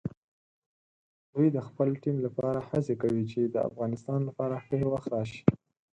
دوی د خپل ټیم لپاره هڅې کوي چې د افغانستان لپاره ښه وخت راشي.